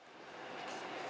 tidak ada yang dianggap